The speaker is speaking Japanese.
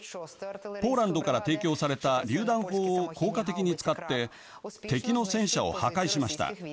ポーランドから提供されたりゅう弾砲を効果的に使って敵の戦車を破壊しました。